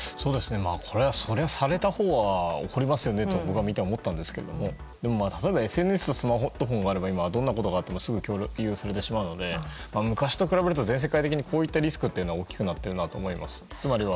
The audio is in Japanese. これは、そりゃあされたほうは怒りますよねと僕は見て思ったんですが例えば、ＳＮＳとかスマホとかでどんなことがあってもすぐ共有されてしまうので昔と比べると全世界的に、こういったリスクは大きくなっているなと思います。